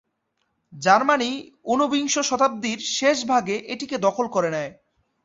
Germany ঊনবিংশ শতাব্দীর শেষভাগে এটিকে দখল করে নেয়।